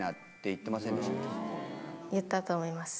言ったと思います。